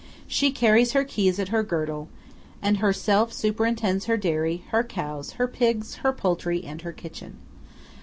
She carries her keys at her girdle, and herself superintends her dairy, her cows, her pigs, her poultry, and her kitchen.